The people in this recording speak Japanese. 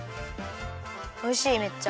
おいしいめっちゃ！